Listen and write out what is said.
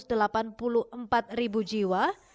sementara jumlah penduduk miskin di jawa timur